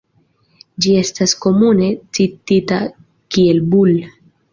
Ĝi estas komune citita kiel "Bull.